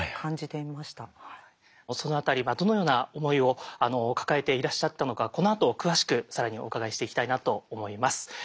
その辺りどのような思いを抱えていらっしゃったのかこのあと詳しく更にお伺いしていきたいなと思います。